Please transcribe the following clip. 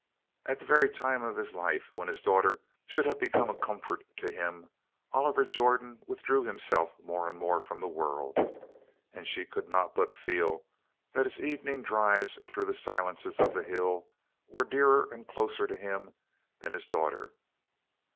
At the very time of his life when his daughter should have become a comfort to him, Oliver Jordan withdrew himself more and more from the world, and she could not but feel that his evening drives through the silences of the hill were dearer and closer to him than his daughter.